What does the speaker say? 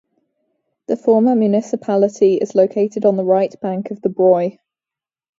The former municipality is located on the right bank of the Broye.